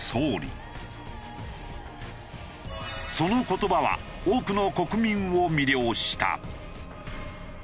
その言葉は多くの国民を魅了した。